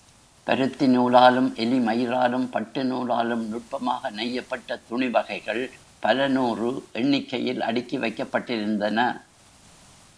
பருத்தி நூலாலும், எலிமயிராலும், பட்டு நூலாலும் நுட்பமாக நெய்யப்பட்ட துணிவகைகள் பல நூறு எண்ணிக்கையில் அடுக்கி வைக்கப்பட்டிருந்தன.